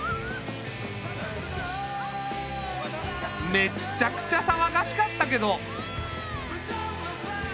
めっちゃくちゃさわがしかったけど。